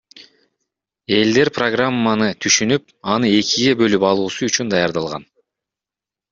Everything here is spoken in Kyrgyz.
Элдер программаны түшүнүп, аны экиге бөлүп алуусу үчүн даярдалган.